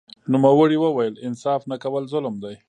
نوموړي وویل انصاف نه کول ظلم دی